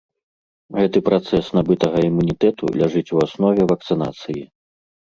Гэты працэс набытага імунітэту ляжыць у аснове вакцынацыі.